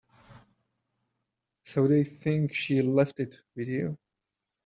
So they think she left it with you.